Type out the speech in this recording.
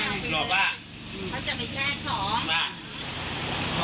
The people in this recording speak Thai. ไม่เอามันใช้นิดหนึ่งบาท